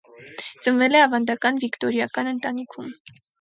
Ծնվել է ավանդական վիկտորյական ընտանիքում։